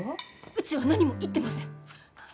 うちは何も言ってません。